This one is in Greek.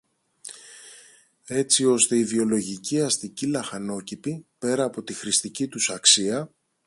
έτσι ώστε οι βιολογικοί αστικοί λαχανόκηποι, πέρα από τη χρηστική τους αξία